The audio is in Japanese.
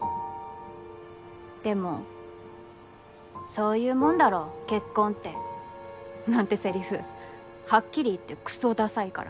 でもそういうもんだろ結婚って。なんてせりふはっきり言ってくそダサいから。